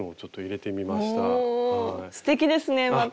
おおすてきですねまた。